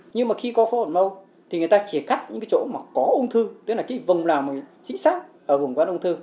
nhưng mà khi có phẫu thuật mose thì người ta chỉ cắt những chỗ có ung thư tức là vùng nào xí xác ở vùng quán ung thư